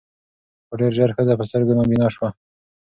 خو ډېر ژر ښځه په سترګو نابینا سوه